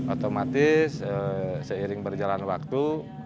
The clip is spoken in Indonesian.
otomatis seiring berjalan waktu